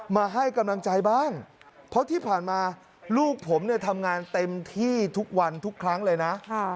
มาให้กำลังใจบ้างเพราะที่ผ่านมาลูกผมเนี่ยทำงานเต็มที่ทุกวันทุกครั้งเลยนะ